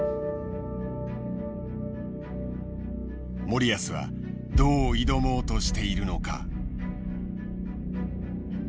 森保はどう挑もうとしているのか。